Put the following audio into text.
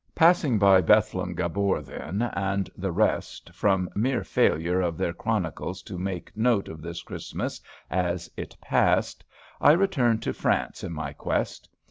Passing by Bethlem Gabor then, and the rest, from mere failure of their chronicles to make note of this Christmas as it passed, I returned to France in my quest.